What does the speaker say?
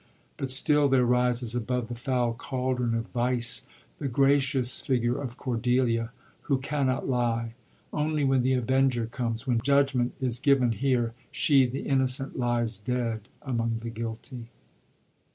But still there rises above the foul cauldron of vice the gracious figure of Cordelia, who cannot lie; only when the avenger comes, when judgpnent is given here, she, the innocent, lies dead among the guilty.